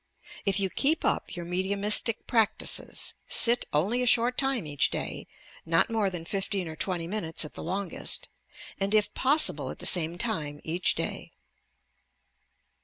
If you keep up your mediumistic practices, ait only a short time 208 YOUK PSYCHIC POWERS each day (not more than 15 or 20 minutes at the longest) and, if possible, at the same time each day.